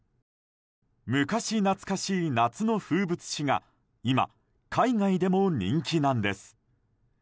昔懐かしい夏の風物詩が今、海外でも人気なんです。